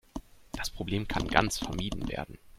Das Problem kann ganz vermieden werden.